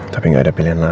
tapi gak ada pilihan lain